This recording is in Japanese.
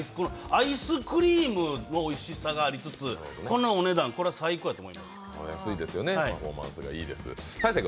アイスクリームのおいしさがありつつこのお値段、これは最高やと思います。